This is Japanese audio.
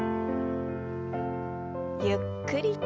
ゆっくりと。